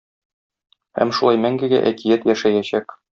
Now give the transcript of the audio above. Һәм шулай мәңгегә әкият яшәячәк.